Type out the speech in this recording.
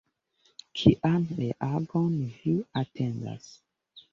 Kian reagon vi atendas?